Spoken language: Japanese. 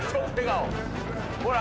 ほら！」